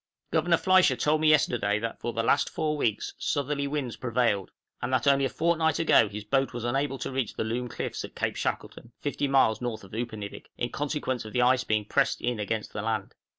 Governor Fliescher told me yesterday that for the last four weeks southerly winds prevailed, and that only a fortnight ago his boat was unable to reach the Loom Cliffs at Cape Shackleton, 50 miles north of Upernivik, in consequence of the ice being pressed in against the land.